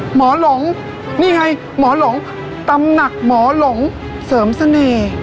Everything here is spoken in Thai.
หลงนี่ไงหมอหลงตำหนักหมอหลงเสริมเสน่ห์